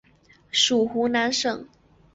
属湖南省。